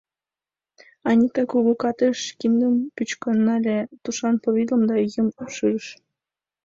Анита кугу катыш киндым пӱчкын нале, тушан повидлом да ӱйым шӱрыш.